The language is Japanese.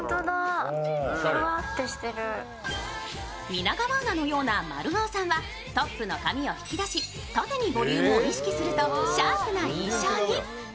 皆川アナのような丸顔さんはトップの髪を引き出し縦にボリュームを意識するとシャープな印象に。